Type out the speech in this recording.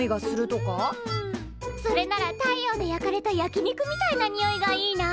それなら太陽で焼かれた焼き肉みたいなにおいがいいな。